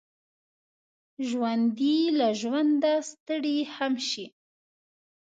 ژوندي له ژونده ستړي هم شي